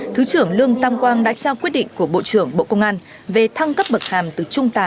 thứ trưởng lương tam quang đã trao quyết định của bộ trưởng bộ công an về thăng cấp bậc hàm từ trung tá